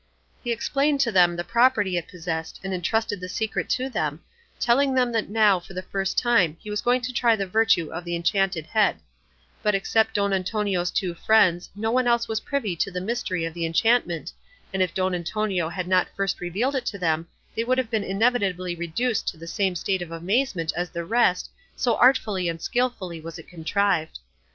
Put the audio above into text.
He explained to them the property it possessed and entrusted the secret to them, telling them that now for the first time he was going to try the virtue of the enchanted head; but except Don Antonio's two friends no one else was privy to the mystery of the enchantment, and if Don Antonio had not first revealed it to them they would have been inevitably reduced to the same state of amazement as the rest, so artfully and skilfully was it contrived.